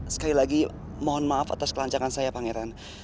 sekali lagi mohon maaf atas kelancaran saya pangeran